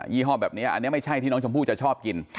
ี่ห้อแบบนี้อันนี้ไม่ใช่ที่น้องชมพู่จะชอบกิน